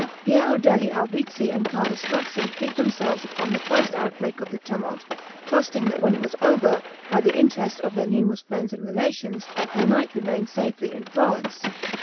Piero degli Albizzi and Carlo Strozzi hid themselves upon the first outbreak of the tumult, trusting that when it was over, by the interest of their numerous friends and relations, they might remain safely in Florence.